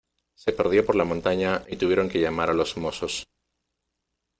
Se perdió por la montaña y tuvieron que llamar a los Mossos.